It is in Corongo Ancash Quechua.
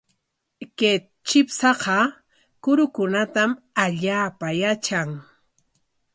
Kay chipshaqa kurukunatam allaapa yatran.